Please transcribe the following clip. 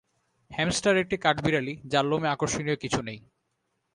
Hamster একটা কাঠবিড়ালি যার লোমে আকর্ষণীয় কিছু নেই।